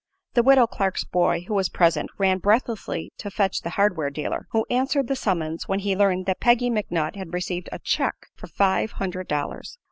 The widow Clarke's boy, who was present, ran breathlessly to fetch the hardware dealer, who answered the summons when he learned that Peggy McNutt had received a "check" for five hundred dollars.